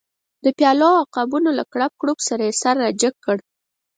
د پیالو او قابونو له کړپ کړوپ سره یې سر را جګ کړ.